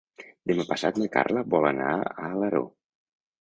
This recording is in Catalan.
Demà passat na Carla vol anar a Alaró.